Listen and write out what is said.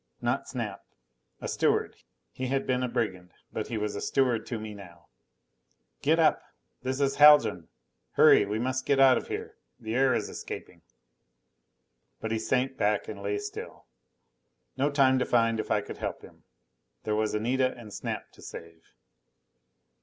Not Snap! A steward. He had been a brigand, but he was a steward to me now. "Get up! This is Haljan. Hurry, we must get out of here The air is escaping!" But he sank back and lay still. No time to find if I could help him: there was Anita and Snap to save.